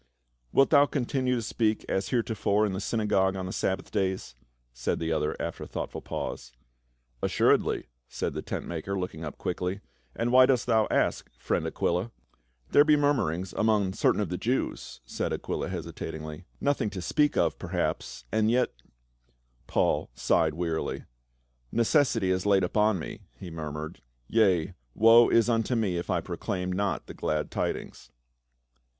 "Wilt thou continue to speak as heretofore in the synagogue on the Sabbath days?" said the other after a thoughtful pause. " Assuredly," said the tent maker looking up quickly, "and why dost thou ask, friend Aquila?" "There be murmurings among certain of the Jews," said Aquila hesitatingly. " Nothing to speak of perhaps, and yet —" Paul sighed wearily, " Necessity is laid upon me," he murmured —" yea, woe is unto me, if I proclaim not the glad tidings."